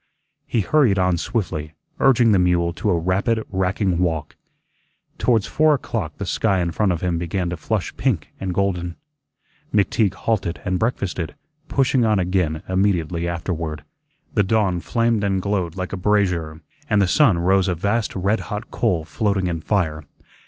He hurried on swiftly, urging the mule to a rapid racking walk. Towards four o'clock the sky in front of him began to flush pink and golden. McTeague halted and breakfasted, pushing on again immediately afterward. The dawn flamed and glowed like a brazier, and the sun rose a vast red hot coal floating in fire.